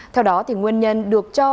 theo đó nguyên nhân được cho